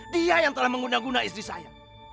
dia yang telah mengundang guna istri saya